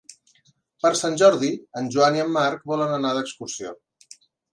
Per Sant Jordi en Joan i en Marc volen anar d'excursió.